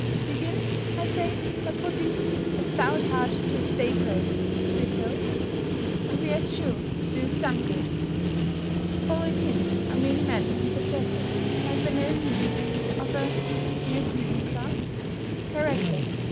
Begin, I say, by putting "a stout heart to a stay brae" (stiff hill), and we are sure to do some good. The following hints are merely meant to be suggestive, and by no means of a ne plus ultra character.